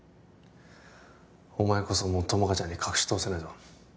お前こそもう友果ちゃんに隠しとおせないだろ